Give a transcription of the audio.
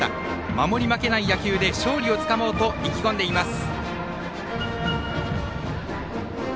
守り負けない野球で勝利をつかもうと意気込んでいます。